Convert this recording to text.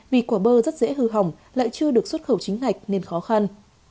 vì quả bơ rất dễ hư hỏng lại chưa được xuất khẩu chính ngạch nên khó khăn